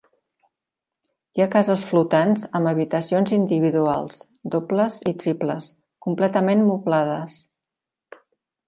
Hi ha cases flotants amb habitacions individuals, dobles i triples completament moblades.